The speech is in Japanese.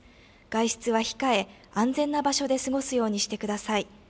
外出は控え、安全な場所で過ごすようにしてください。